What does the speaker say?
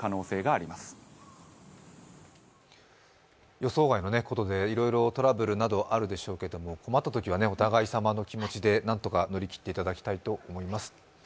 予想外のことでいろいろトラブルなどあるでしょうけど困ったときはお互い様の気持ちで何とか乗り切っていただきたいと思います。